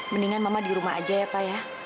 mendingan mama di rumah aja ya pak ya